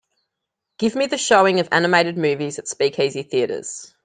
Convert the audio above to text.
Give me the showing of animated movies at Speakeasy Theaters